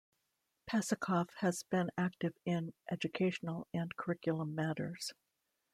Pasachoff has been active in educational and curriculum matters.